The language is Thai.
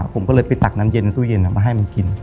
ผมก็เลยไปตักน้ำเย็นในตู้เย็นมาให้มันกิน